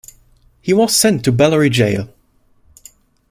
He was sent to Bellary Jail.